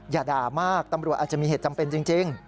อย่าด่ามากตำรวจอาจจะมีเหตุจำเป็นจริง